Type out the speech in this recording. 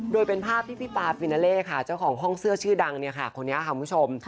โดยเป็นภาพที่พี่ปาฟินาเล่ค่ะเจ้าของห้องเสื้อชื่อดังเนี่ยค่ะคนนี้ค่ะคุณผู้ชม